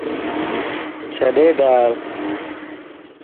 ڇڏي ڊار